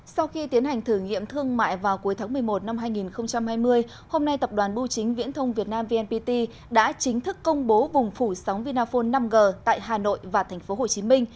sau khi tiến hành thử nghiệm thương mại vào cuối tháng một mươi một năm hai nghìn hai mươi hôm nay tập đoàn bưu chính viễn thông việt nam vnpt đã chính thức công bố vùng phủ sóng vinaphone năm g tại hà nội và tp hcm